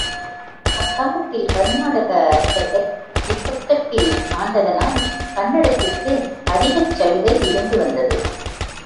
அக்காலத்தில் கருநாடக அரசர்கள் இப்பக்கத்தில் ஆண்டதனால் கன்னடத்துக்கு அதிகச் சலுகை இருந்து வந்தது.